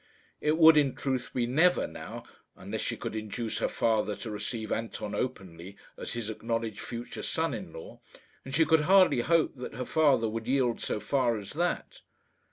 It would in truth be never now, unless she could induce her father to receive Anton openly as his acknowledged future son in law; and she could hardly hope that her father would yield so far as that.